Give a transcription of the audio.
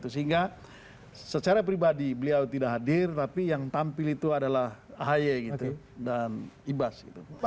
sehingga secara pribadi beliau tidak hadir tapi yang tampil itu adalah ahy gitu dan ibas